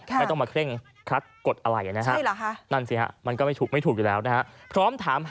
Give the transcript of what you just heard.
ไม่ต้องมาเคล่งคัดกฎอะไรนะครับ